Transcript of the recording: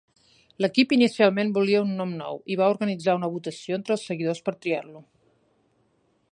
L'equip inicialment volia un nom nou i va organitzar una votació entre els seguidors per triar-lo.